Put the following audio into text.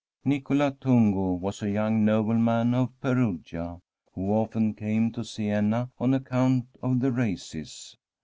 Nicola Tungo was a young nobleman of Pe rugia, who often came to Siena on account of the races.